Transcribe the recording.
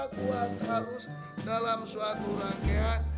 kuat harus dalam suatu rangkaian